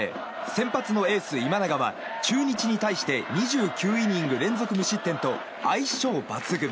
先発のエース、今永は中日に対して２９イニング連続無失点と相性抜群。